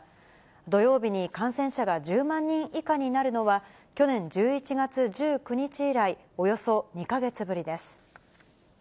土曜日に感染者が１０万人以下になるのは、去年１１月１９日以来、およそ２か月ぶりです。